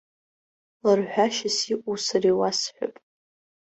Лырҳәашьас иҟоу сара иуасҳәап.